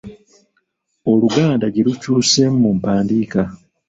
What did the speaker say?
Oluganda gye lukyuseemu mu mpandiika.